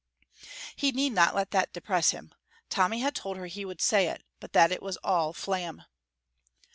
He need not let that depress him. Tommy had told her he would say it, but that it was all flam.